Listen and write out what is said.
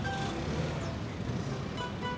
tidak ada yang bisa dihukum